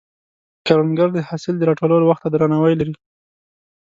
کروندګر د حاصل د راټولولو وخت ته درناوی لري